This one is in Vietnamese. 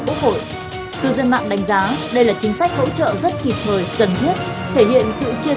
quốc hội cư dân mạng đánh giá đây là chính sách hỗ trợ rất kịp thời cần thiết thể hiện sự chia